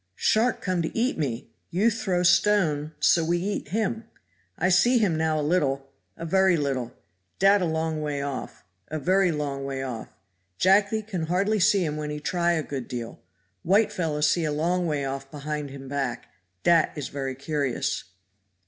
"Shark come to eat me you throw stone so we eat him. I see him now a little a very little dat a long way off a very long way off. Jacky can hardly see him when he try a good deal. White fellow see a long way off behind him back dat is very curious."